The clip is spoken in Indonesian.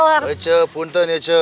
yang terima doneratu endorse